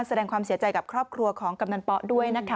แสดงความเสียใจกับครอบครัวของกำนันป๊ะด้วยนะคะ